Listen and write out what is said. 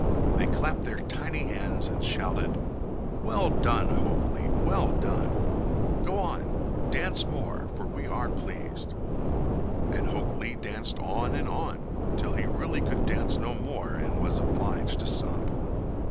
They clapped their tiny hands and shouted: "Well done, Hok Lee, well done. Go on—dance more, for we are pleased." And Hok Lee danced on and on, till he really could dance no more and was obliged to stop.